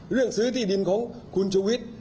เรื่องซื้อที่ดินของคุณชุวิต